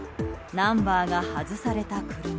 ナンバーが外された車。